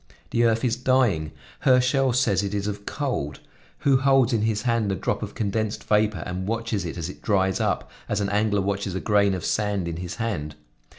The earth is dying; Herschell says it is of cold; who holds in his hand the drop of condensed vapor and watches it as it dries up, as an angler watches a grain of sand in his hand?